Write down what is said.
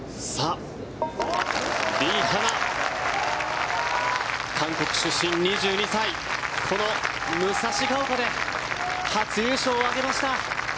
リ・ハナ、韓国出身２２歳この武蔵丘で初優勝を挙げました。